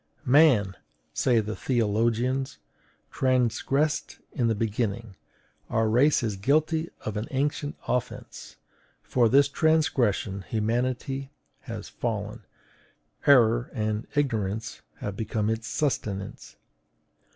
"Man," say the theologians, "transgressed in the beginning; our race is guilty of an ancient offence. For this transgression humanity has fallen; error and ignorance have become its sustenance.